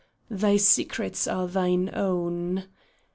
Thy secrets are thine own